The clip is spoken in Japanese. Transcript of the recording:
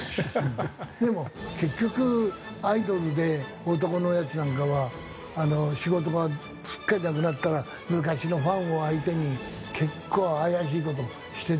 でも結局アイドルで男のヤツなんかは仕事がすっかりなくなったら昔のファンを相手に結構怪しい事してるよね。